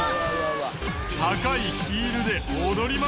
高いヒールで踊りまくり！